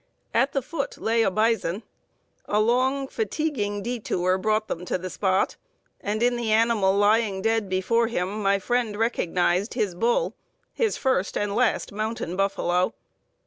"At the foot lay a bison. A long, a fatiguing detour brought them to the spot, and in the animal lying dead before him my friend recognized his bull his first and last mountain buffalo.